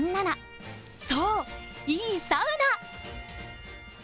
そう「イイサウナ」。